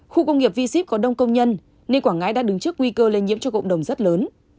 khu công nghiệp v ship có đông công nhân nên quảng ngãi đã đứng trước nguy cơ lây nhiễm cho cộng đồng rất lớn